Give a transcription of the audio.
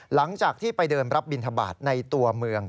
หลังจากที่ไปเดินรับบินทบาทในตัวเมือง